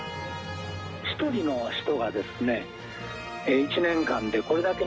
１人の人が１年間でこれだけ